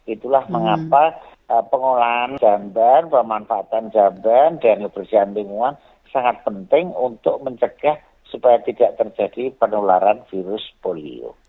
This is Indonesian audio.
itulah mengapa pengolahan gambar pemanfaatan jamban dan kebersihan lingkungan sangat penting untuk mencegah supaya tidak terjadi penularan virus polio